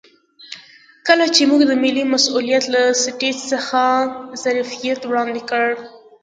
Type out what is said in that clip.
کله چې موږ د ملي مسوولیت له سټیج څخه ظرفیت وړاندې کړو.